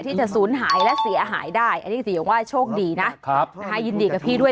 ที่จะศูนย์หายและเสียหายได้อันนี้ถือว่าโชคดีนะครับนะฮะยินดีกับพี่ด้วย